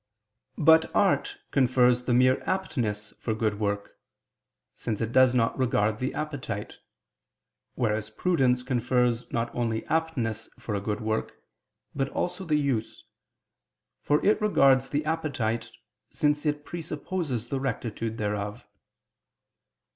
But art confers the mere aptness for good work; since it does not regard the appetite; whereas prudence confers not only aptness for a good work, but also the use: for it regards the appetite, since it presupposes the rectitude thereof.